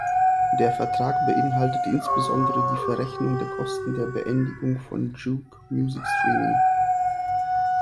Der Vertrag beinhaltet insbesondere die Verrechnung der Kosten der Beendigung von Juke Musikstreaming.